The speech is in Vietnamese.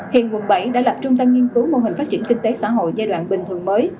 hiện quận bảy đã lập trung tâm nghiên cứu mô hình phát triển kinh tế xã hội giai đoạn bình thường mới